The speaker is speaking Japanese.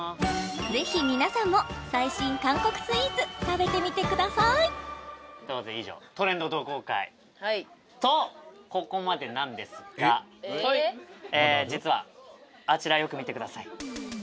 ぜひ皆さんも最新韓国スイーツ食べてみてください以上トレンド同好会実はあちらよく見てください